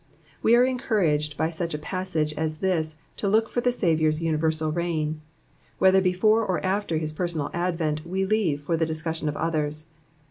We are encouraged by such a passage as this to look for the Saviour's universal reign ; whether before or after his personal advent we leave for the discussion of others.